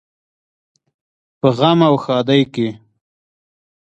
په غم او ښادۍ کې.